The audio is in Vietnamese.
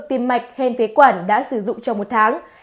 tiêm mạch hèn phế quản đã sử dụng trong một tháng